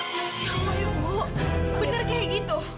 kamu ibu benar kayak gitu